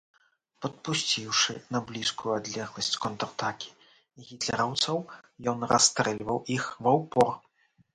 Падпусціўшы на блізкую адлегласць контратакі гітлераўцаў, ён расстрэльваў іх ва ўпор.